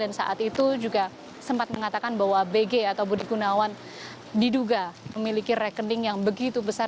dan saat itu juga sempat mengatakan bahwa bg atau budi gunawan diduga memiliki rekening yang begitu besar